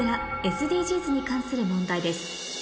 ＳＤＧｓに関する問題です